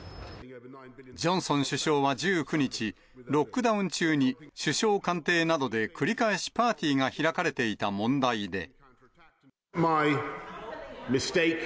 ジョンソン首相は１９日、ロックダウン中に、首相官邸などで繰り返しパーティーが開かれていた問題で。